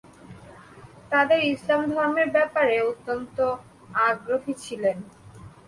তাদের ইসলাম গ্রহণের ব্যাপারে অত্যন্ত আগ্রহী ছিলেন।